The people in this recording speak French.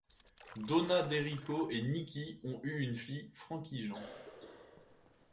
Donna d'Errico et Nikki ont eu une fille, Frankie-Jean.